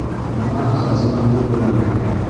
Бына хазинамды бирәм һеҙгә.